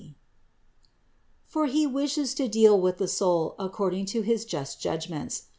For He wishes to deal with the soul according to his just judgments.